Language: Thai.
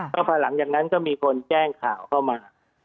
ก็พอหลังจากนั้นก็มีคนแจ้งข่าวเข้ามา